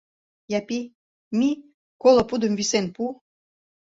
Япи, мий, коло пудым висен пу...